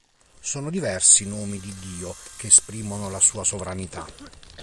Sono diversi i nomi di Dio che esprimono la Sua sovranità.